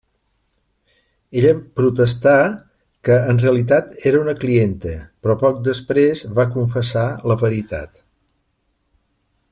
Ella protestà que en realitat era una clienta, però poc després va confessar la veritat.